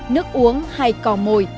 nước uống hay cò mồi